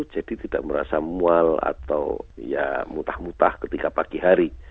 jadi tidak merasa mual atau ya mutah mutah ketika pagi hari